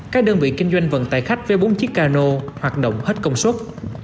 các đơn vị kinh doanh vận tải khách với bốn chiếc cano hoạt động hết công suất